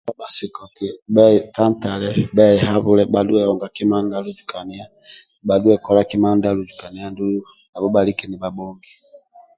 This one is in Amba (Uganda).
Bhasika eti bhetatale behabhule bhadhue kola kima ndia aluzukania andule bhalike nibhabhongi